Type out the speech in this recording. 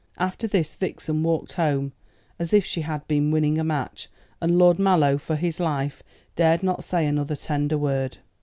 After this Vixen walked home as if she had been winning a match, and Lord Mallow, for his life, dared not say another tender word.